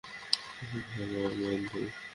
ও ধানার বন্ধু।